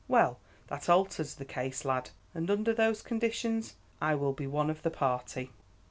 "Well, that alters the case, lad, and under those conditions I will be one of the party."